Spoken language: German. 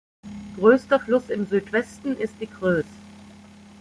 Größter Fluss im Südwesten ist die Creuse.